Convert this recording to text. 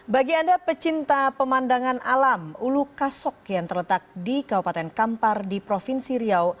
bagi anda pecinta pemandangan alam ulu kasok yang terletak di kabupaten kampar di provinsi riau